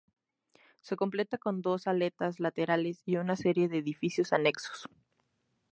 Se completa con dos aletas laterales y una serie de edificios anexos.